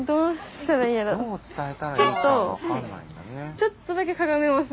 ちょっとだけかがめます？